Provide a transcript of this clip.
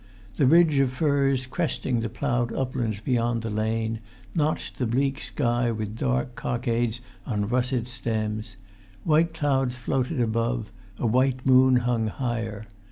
The ridge of firs, cresting the ploughed uplands beyond the lane, notched the bleak sky with dark cockades on russet stems; white clouds floated above, a white moon hung higher.